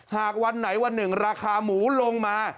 หากวันไหนวันหนึ่งราคาหมูลงมา